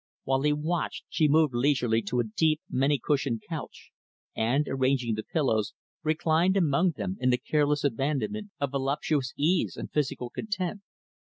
While he watched, she moved leisurely to a deep, many cushioned couch; and, arranging the pillows, reclined among them in the careless abandonment of voluptuous ease and physical content.